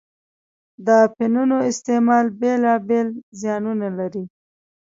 د اپینو استعمال بېلا بېل زیانونه لري.